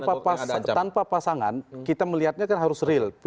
karena tanpa pasangan kita melihatnya kan harus real